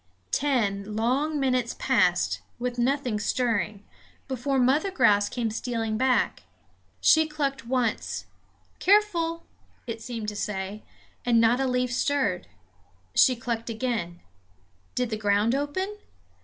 Ten long minutes passed, with nothing stirring, before Mother Grouse came stealing back. She clucked once "Careful!" it seemed to say; and not a leaf stirred. She clucked again did the ground open?